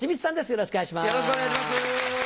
よろしくお願いします！